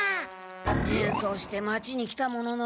変装して町に来たものの。